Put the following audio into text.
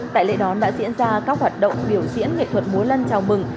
tại lễ đón đã diễn ra các hoạt động biểu diễn nghệ thuật múa lân chào mừng